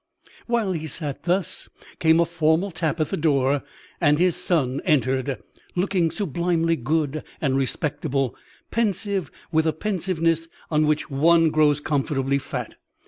While he sat thus, came a formal tap at the door, and his son entered, looking sublimely good and respectable, pensive with a pensiveness on which one grows comfortably fat.